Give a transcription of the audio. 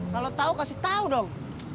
kalau tau kasih tau dong